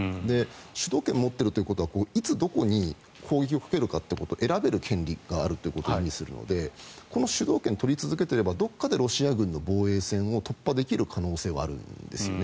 主導権を持っているということはいつどこに攻撃をかけるかを選べる権利があるということですので主導権を取り続けていればどこかで防衛線を突破できる可能性はあるんです。